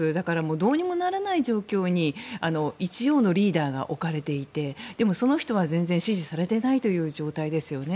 どうにもならない状況に一応のリーダーが置かれていてその人は全然支持されていないという状態ですよね。